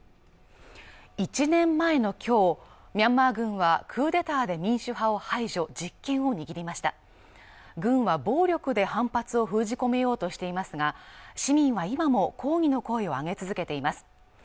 １年前の今日ミャンマー軍はクーデターで民主派を排除実権を握りました軍は暴力で反発を封じ込めようとしていますが市民は今も抗議の声を上げ続けています